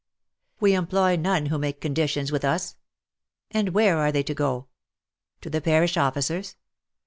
We employ none who make conditions with us." And where are they to go ? To the parish officers